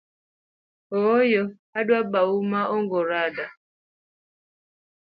Ooyo, adwa bau maok ogo randa.